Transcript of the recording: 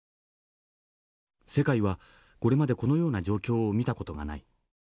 世界はこれまでこのような状況を見た事がない。